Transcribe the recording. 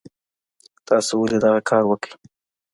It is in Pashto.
تاسي ولي دغه کار وکړی؟